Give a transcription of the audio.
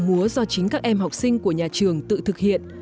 múa do chính các em học sinh của nhà trường tự thực hiện